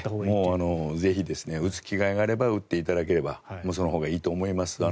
もうぜひ打つ気概があれば打っていただければそのほうがいいと思います。